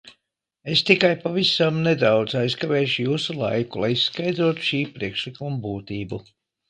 Es tikai pavisam nedaudz aizkavēšu jūsu laiku, lai izskaidrotu šī priekšlikuma būtību.